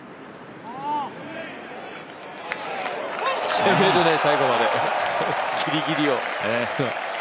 攻めるね、最後まで、ぎりぎりを。